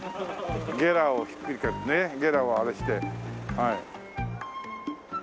「ゲラ」をひっくり返して「ゲラ」をあれして。